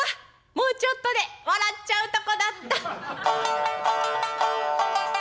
もうちょっとで笑っちゃうとこだった」。